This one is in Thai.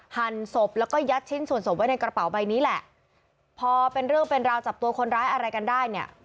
หันศพแล้วก็ยัดชิ้นส่วนศพไว้ในกระเป๋าใบนี้แหละพอเป็นเรื่องเป็นราวจับตัวคนร้ายอะไรกันได้เนี่ย